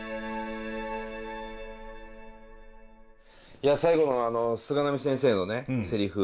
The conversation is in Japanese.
いや最後の菅波先生のねせりふ。